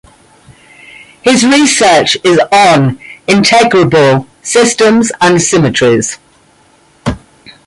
His research is on integrable systems and symmetries.